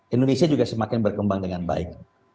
indonesia juga semakin berkembang dengan baik